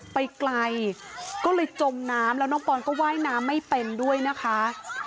ไปไกลก็เลยจมน้ำแล้วน้องปอนก็ว่ายน้ำไม่เป็นด้วยนะคะ